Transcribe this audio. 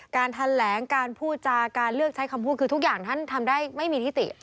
การแถลงการพูดจาการเลือกใช้คำพูดคือทุกอย่างท่านทำได้ไม่มีทิติ